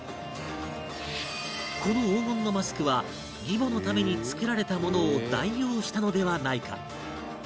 この黄金のマスクは義母のために作られたものを代用したのではないか？